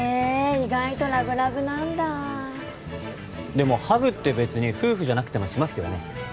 意外とラブラブなんだでもハグって別に夫婦じゃなくてもしますよね